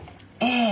ええ。